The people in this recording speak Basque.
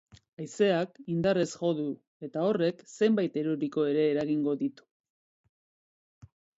Haizeak indarrez jo du eta horrek zenbait eroriko ere eragin ditu.